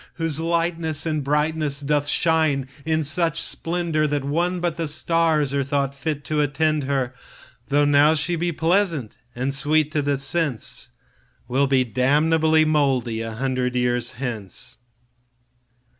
Whose lightness and brightness doth shine in such splendourThat one but the starsAre thought fit to attend her, Though now she be pleasant and sweet to the sense, Will be damnable mouldy a hundred years hence.